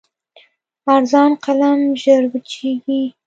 ارزان قلم ژر وچېږي.